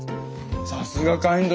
さすがカイン殿。